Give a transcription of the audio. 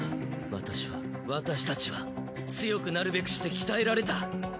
私は私たちは強くなるべくして鍛えられた。